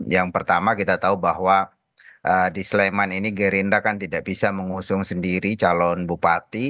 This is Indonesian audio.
yang pertama kita tahu bahwa di sleman ini gerindra kan tidak bisa mengusung sendiri calon bupati